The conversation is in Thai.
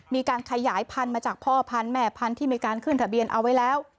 มีการขยายพันธุ์มาจากพ่อพันธุ์แม่พันธุ์ที่มีการขึ้นทะเบียนเอาไว้แล้ว